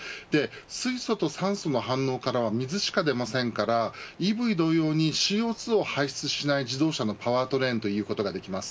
水素と酸素の反応からは水しか出ませんからＥＶ同様にＣＯ２を排出しない自動車のパワートレインということができます。